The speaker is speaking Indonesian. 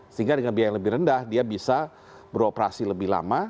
sehingga dengan biaya yang lebih rendah dia bisa beroperasi lebih lama